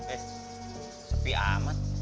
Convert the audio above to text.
eh sepi amat